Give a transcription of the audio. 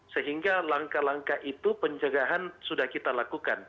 sehingga langkah langkah itu pencegahan sudah kita lakukan